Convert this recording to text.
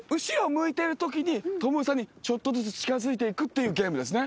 向いてるときにトムーさんにちょっとずつ近づいていくっていうゲームですね。